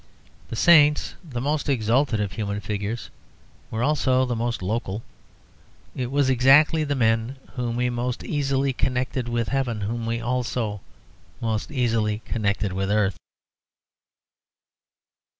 The saints, the most exalted of human figures, were also the most local. It was exactly the men whom we most easily connected with heaven whom we also most easily connected with earth.